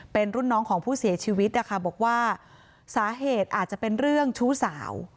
เป็นรุ่นน้องของผู้เสียชีวิตนะคะบอกว่าสาเหตุอาจจะเป็นเรื่องชู้สาว